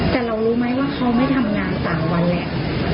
แต่เรารู้ไหมว่าเขาไม่ทำงานต่างวันแหละ